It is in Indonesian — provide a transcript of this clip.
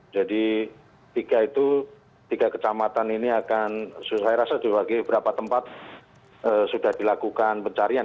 jadi tiga itu tiga kecamatan ini akan saya rasa dibagi beberapa tempat sudah dilakukan pencarian